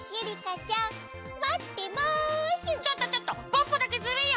ちょっとちょっとポッポだけずるいよ！